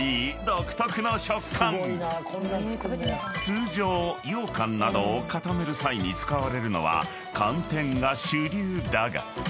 ［通常ようかんなどを固める際に使われるのは寒天が主流だが］